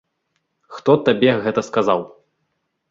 Хто табе гэта сказаў?